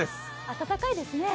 暖かいですね。